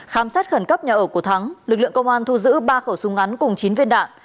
khám xét khẩn cấp nhà ở của thắng lực lượng công an thu giữ ba khẩu súng ngắn cùng chín viên đạn